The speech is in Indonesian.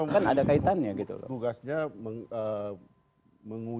kan ada kaitannya gitu